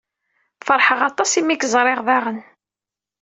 FeṛḥeƔ aṭas imi k-ẓṛiƔ daƔen.